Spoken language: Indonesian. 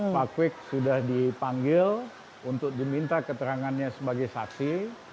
pak kwik sudah dipanggil untuk diminta keterangannya sebagai saksi